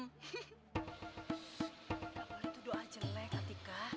gak boleh tuh doa jelek atika